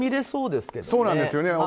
そうなんですよね。